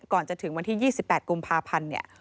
ก่อนจะถึงวันที่๒๘กุมภาพันธ์เนี่ย